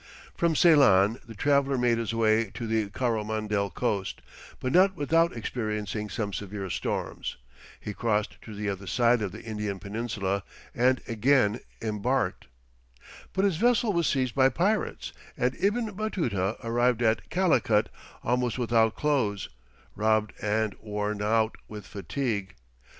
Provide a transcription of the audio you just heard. From Ceylon, the traveller made his way to the Coromandel coast, but not without experiencing some severe storms. He crossed to the other side of the Indian peninsula, and again embarked. [Illustration: Ibn Batuta's vessel was seized by pirates.] But his vessel was seized by pirates, and Ibn Batuta arrived at Calicut almost without clothes, robbed, and worn out with fatigue.